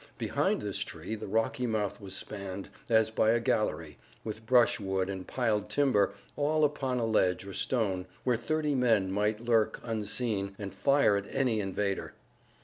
Behind this tree the rocky mouth was spanned, as by a gallery, with brushwood and piled timber, all upon a ledge or stone, where thirty men might lurk unseen, and fire at any invader.